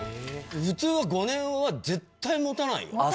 普通は５年は絶対もたないよ。